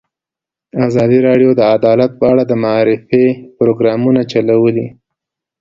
ازادي راډیو د عدالت په اړه د معارفې پروګرامونه چلولي.